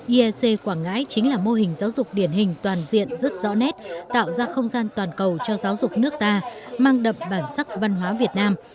iec quảng ngãi chính là mô hình giáo dục điển hình toàn diện rất rõ nét tạo ra không gian toàn cầu cho giáo dục nước ta mang đậm bản sắc văn hóa việt nam